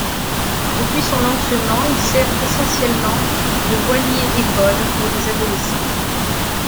Depuis son lancement il sert essentiellement de voilier-école pour des adolescents.